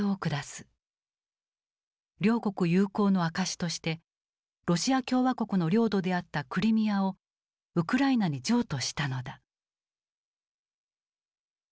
両国友好の証しとしてロシア共和国の領土であったクリミアをウクライナに譲渡したのだ。